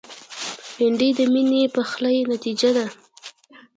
بېنډۍ د میني پخلي نتیجه ده